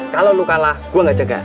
kalau lo kalah gue gak jaga